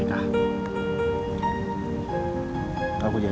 tentara sebodong tante